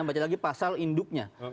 baca lagi pasal induknya